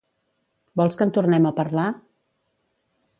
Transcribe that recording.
Vols que en tornem a parlar?